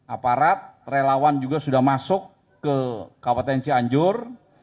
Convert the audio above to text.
aparat relawan juga sudah masuk ke kabupaten cianjur